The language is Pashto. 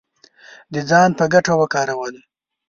د ځان په ګټه وکاروله